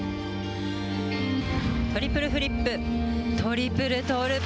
トリプルフリップトリプルトーループ